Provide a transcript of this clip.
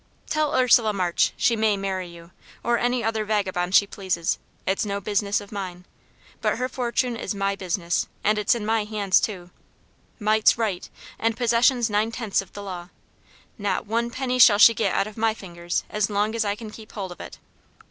"Tell Ursula March she may marry you, or any other vagabond she pleases it's no business of mine. But her fortune is my business, and it's in my hands too. Might's right, and possession's nine tenths of the law. Not one penny shall she get out of my fingers as long as I can keep hold of it."